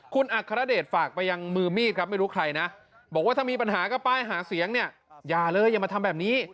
คุณอัครเดชฝากไปยังมือมีดครับไม่รู้ใครนะบอกว่าถ้ามีปัญหากับป้ายหาเสียงเนี่ยอย่าเลยอย่ามาทำแบบนี้